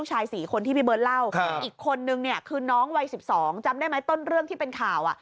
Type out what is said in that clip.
จำได้ไหมต้นเรื่องที่เป็นข่าว